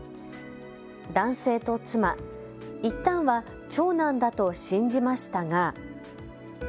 男性と妻、いったんは長男だと信じましたが。